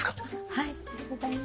はい。